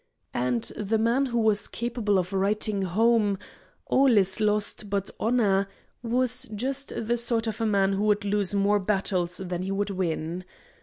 And the man who was capable of writing home, 'All is lost but honor,' was just the sort of a man who would lose more battles than he would win.